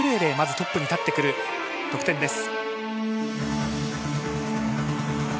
トップに立ってくる得点です。